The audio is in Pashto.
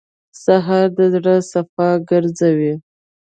سهار د زړه صفا ګرځوي.